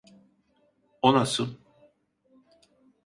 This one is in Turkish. O nasıI?